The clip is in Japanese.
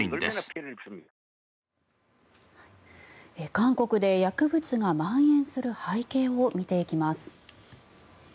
韓国で薬物がまん延する背景を見ていきます。